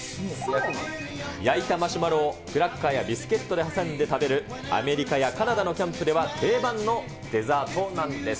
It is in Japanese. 焼いたマシュマロをクラッカーやビスケットで挟んで食べるアメリカやカナダのキャンプでは定番のデザートなんです。